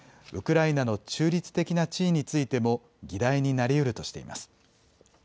ウクライナの中立的な地位についても議題になりうるとしています。